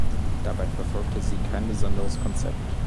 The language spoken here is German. Dabei verfolgte sie kein besonderes Konzept.